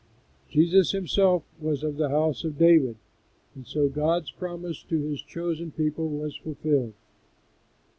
Jesus Himself was of the House of David, and so God's promise to His chosen people was fulfilled.